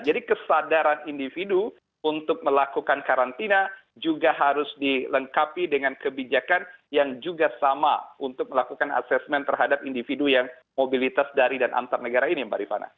kesadaran individu untuk melakukan karantina juga harus dilengkapi dengan kebijakan yang juga sama untuk melakukan assessment terhadap individu yang mobilitas dari dan antar negara ini mbak rifana